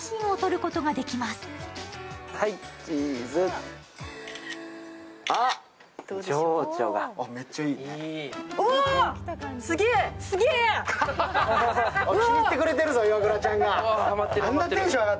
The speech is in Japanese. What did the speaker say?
気に入ってくれてるぞ、イワクラちゃんが。